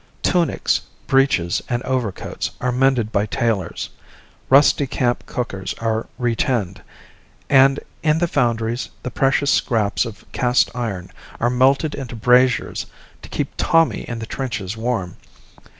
Tunics, breeches, and overcoats are mended by tailors; rusty camp cookers are retinned, and in the foundries the precious scraps of cast iron are melted into braziers to keep Tommy in the trenches warm.